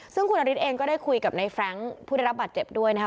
ซึ่งคุณนฤทธิเองก็ได้คุยกับในแฟรงค์ผู้ได้รับบาดเจ็บด้วยนะคะ